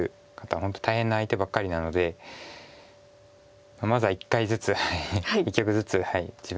本当大変な相手ばっかりなのでまずは一回ずつ一局ずつ自分らしく頑張りたいと思います。